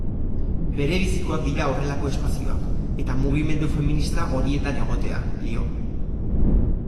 Berebizikoak dira horrelako espazioak, eta mugimendu feminista horietan egotea, dio.